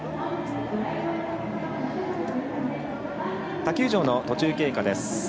他球場の途中経過です。